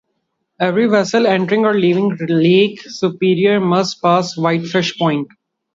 Every vessel entering or leaving Lake Superior must pass Whitefish Point.